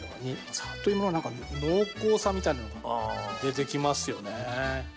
里芋は濃厚さみたいなのが出てきますよね。